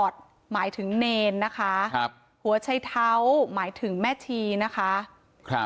แนในร์นะคะหัวช้ายเถาหมายถึงแม่ทีนะคะ